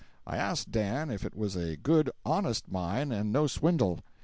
I asked Dan if it was a good, honest mine, and no swindle.